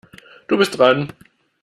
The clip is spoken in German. Du bist dran.